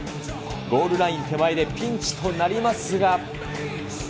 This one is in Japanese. ゴールライン手前でピンチとなりますが。